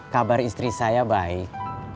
kabar istri saya baik